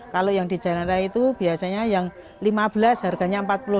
kalau yang di janara itu biasanya yang lima belas harganya empat puluh lima